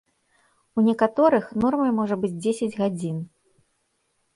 У некаторых нормай можа быць дзесяць гадзін.